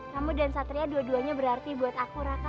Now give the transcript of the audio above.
kamu dan satria dua duanya berarti buat aku raka